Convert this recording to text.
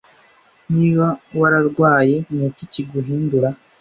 Niba wararwaye niki kiguhindura